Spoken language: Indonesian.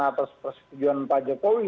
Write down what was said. atas persetujuan pak jokowi